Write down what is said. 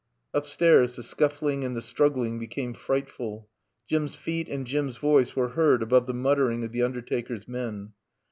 Upstairs the scuffling and the struggling became frightful. Jim's feet and Jim's voice were heard above the muttering of the undertaker's men.